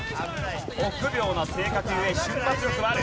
臆病な性格ゆえ瞬発力はある。